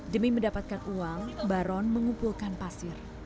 demi mendapatkan uang baron mengumpulkan pasir